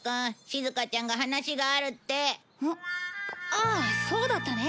ああそうだったね。